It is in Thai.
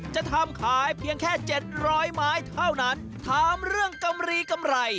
จะทำขายเพียงแค่๗๐๐หมายเท่านั้นถามเรื่องกำลีกำไร